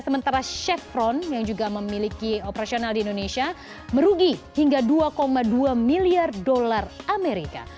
sementara chevron yang juga memiliki operasional di indonesia merugi hingga dua dua miliar dolar amerika